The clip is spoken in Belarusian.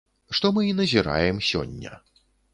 Што мы і назіраем сёння.